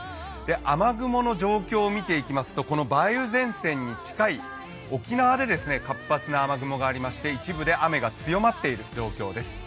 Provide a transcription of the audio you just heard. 雨雲の状況を見ていきますと梅雨前線に近い、沖縄で活発な雨雲がありまして、一部で雨が強まっている状況です。